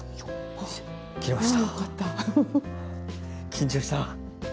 緊張した！